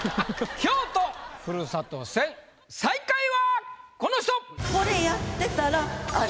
京都ふるさと戦最下位はこの人！